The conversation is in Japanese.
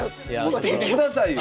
持ってきてくださいよ。